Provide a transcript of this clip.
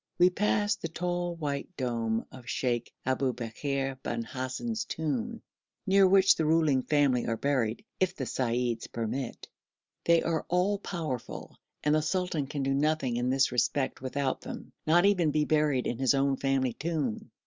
We passed the tall white dome of Sheikh Aboubekr bin Hassan's tomb, near which the ruling family are buried if the seyyids permit. They are all powerful, and the sultan can do nothing in this respect without them not even be buried in his own family tomb.